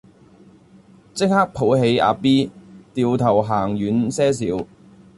即刻抱起阿 B 掉頭行遠些少